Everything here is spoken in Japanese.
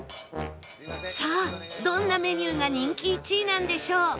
さあどんなメニューが人気１位なんでしょう？